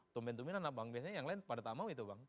tumpen tumpinan apa yang biasanya yang lain pada tak mau itu bang